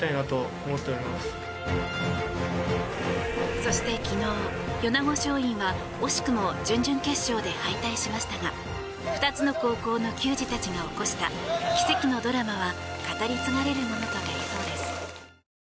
そして昨日、米子松蔭は惜しくも準々決勝で敗退しましたが２つの高校の球児たちが起こした奇跡のドラマは語り継がれるものとなりそうです。